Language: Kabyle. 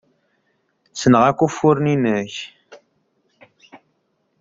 Ssneɣ akk ufuren-nnek.